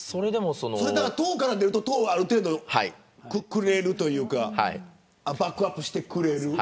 党から出ると党がある程度くれるというかバックアップしてくれる。